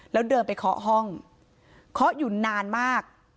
แล้วเดินไปเคาะห้องเคาะอยู่นานมาก